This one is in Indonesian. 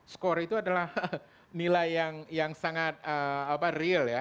skor itu adalah nilai yang sangat real ya